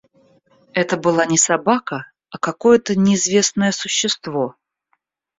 Это была не собака, а какое-то неизвестное существо.